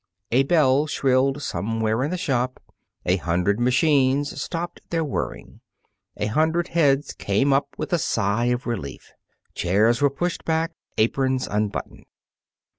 A bell shrilled somewhere in the shop. A hundred machines stopped their whirring. A hundred heads came up with a sigh of relief. Chairs were pushed back, aprons unbuttoned.